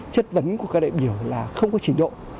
chất vấn của các đại biểu là không có trình độ